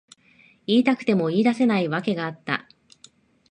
言いたくても言い出せない訳があった。